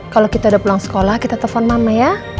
kalau kita udah pulang sekolah kita telepon mama ya